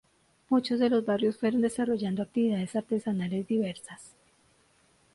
Muchos de los barrios fueron desarrollando actividades artesanales diversas.